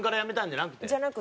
じゃなくて。